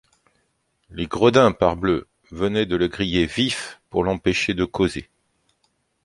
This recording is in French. Les gredins, parbleu! venaient de le griller vif, pour l’empêcher de causer.